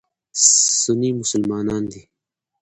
سني مسلمانان دي.